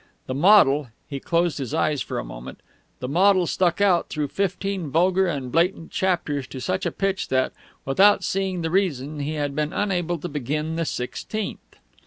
The model (he closed his eyes for a moment) the model stuck out through fifteen vulgar and blatant chapters to such a pitch that, without seeing the reason, he had been unable to begin the sixteenth.